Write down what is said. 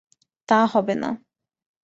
তা হবে না।